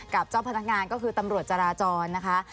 กับเจ้าพนักงานก็คือตำรวจจราจรนะคะ